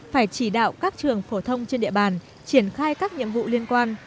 phải chỉ đạo các trường phổ thông trên địa bàn triển khai các nhiệm vụ liên quan